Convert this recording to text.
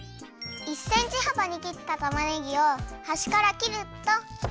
１センチはばに切ったたまねぎをはしから切るっと。